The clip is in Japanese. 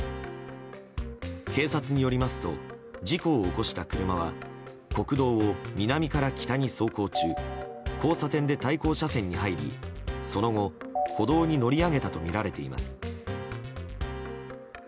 警察によりますと事故を起こした車は国道を南から北に走行中交差点で対向車線に入りその後、歩道に乗り上げたとみられています。